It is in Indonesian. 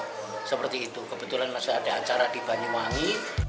ya seperti itu kebetulan masih ada acara di banyuwangi